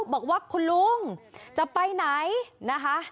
บอกว่าคุณลุงจะไปไหนนะคะ